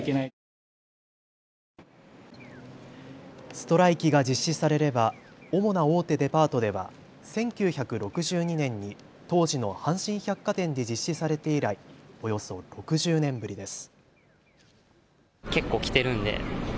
ストライキが実施されれば主な大手デパートでは１９６２年に当時の阪神百貨店で実施されて以来、およそ６０年ぶりです。